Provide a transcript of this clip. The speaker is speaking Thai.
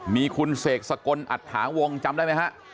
มีคุณเสกสะกนอัดหาวงจำได้ไหมครับ